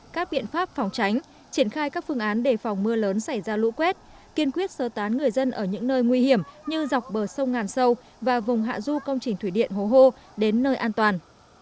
các biện pháp phòng tránh triển khai các phương án đề phòng mưa lớn xảy ra lũ quét kiên quyết sơ tán người dân ở những nơi nguy hiểm như dọc bờ sông ngàn sâu và vùng hạ du công trình thủy điện hố hô đến nơi an toàn